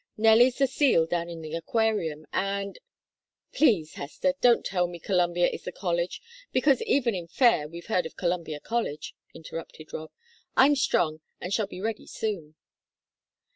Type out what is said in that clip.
Nellie's the seal down in the Aquarium, and " "Please, Hester, don't tell me Columbia is the college, because even in Fayre we've heard of Columbia College," interrupted Rob. "I'm strong, and shall be ready soon."